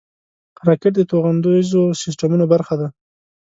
راکټ د توغندیزو سیسټمونو برخه ده